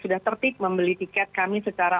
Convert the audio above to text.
sudah tertip membeli tiket kami secara